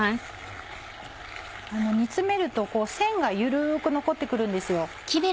煮詰めると線が緩く残って来るんですよ。